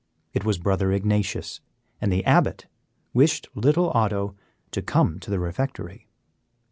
It was Brother Ignatius, and the Abbot wished little Otto to come to the refectory.